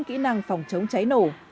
kỹ năng phòng chống cháy nổ